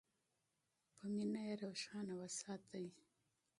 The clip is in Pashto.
په مینه یې روښانه وساتئ.